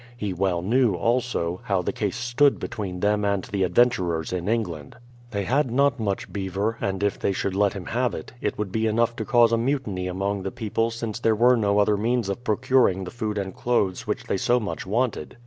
He well knew, also, how the case stood between them and the adventurers in England. They had not much beaver, and if they should let him have it, it would be enough to cause a mutiny among the people since there were no other means of procuring them the food and clothes which they so much wanted.